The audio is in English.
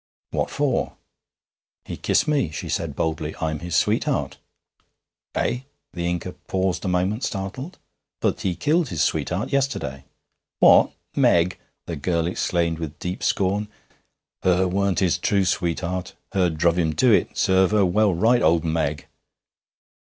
'What for?' 'He kissed me,' she said boldly; 'I'm his sweetheart.' 'Eh!' The Inca paused a moment, startled. 'But he killed his sweetheart yesterday.' 'What! Meg!' the girl exclaimed with deep scorn. 'Her weren't his true sweetheart. Her druv him to it. Serve her well right! Owd Meg!'